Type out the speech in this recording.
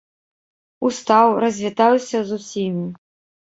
Устаў, развітаўся з усімі.